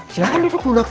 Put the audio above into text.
silahkan duduk dulu dokter